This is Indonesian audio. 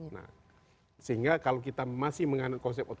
nah sehingga kalau kita masih mengandung konsep otono